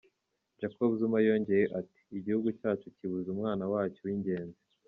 Jacob Zuma yongeye ati “Igihugu cyacu kibuze umwana wacyo w’ingenzi”.